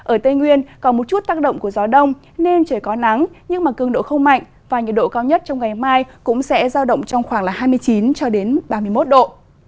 ở tây nguyên còn một chút tác động của gió đông nên trời có nắng nhưng mà cường độ không mạnh và nhiệt độ cao nhất trong ngày mai cũng sẽ giao động trong khoảng hai mươi chín cho đến ba mươi một độ